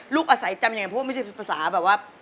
อาศัยจำยังไงเพราะว่าไม่ใช่ภาษาแบบว่า